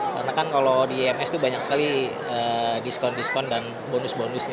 karena kan kalau di iims itu banyak sekali diskon diskon dan bonus bonusnya